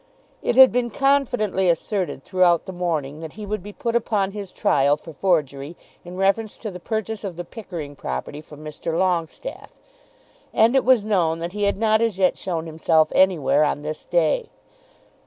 It had been confidently asserted throughout the morning that he would be put upon his trial for forgery in reference to the purchase of the Pickering property from Mr. Longestaffe, and it was known that he had not as yet shown himself anywhere on this day.